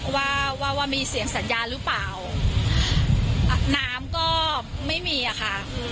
ว่าว่ามีเสียงสัญญาหรือเปล่าน้ำก็ไม่มีอ่ะค่ะ